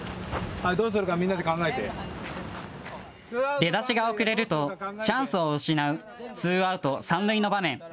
出だしが遅れるとチャンスを失うツーアウト三塁の場面。